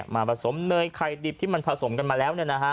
ผสมเนยไข่ดิบที่มันผสมกันมาแล้ว